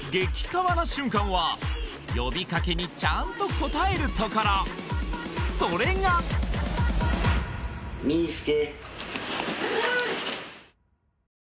カワな瞬間は呼びかけにちゃんと応えるところそれがミースケ